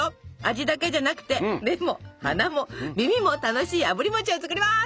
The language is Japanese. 味だけじゃなくて目も鼻も耳も楽しいあぶり餅を作ります！